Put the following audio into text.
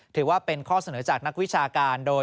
ถือว่าเป็นข้อเสนอจากนักวิชาการโดย